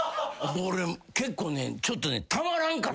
俺結構ねちょっと。